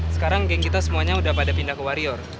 sekarang geng kita semuanya udah pada pindah ke warior